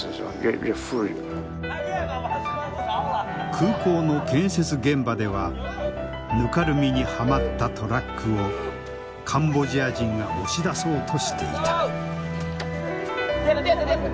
空港の建設現場ではぬかるみにはまったトラックをカンボジア人が押し出そうとしていた。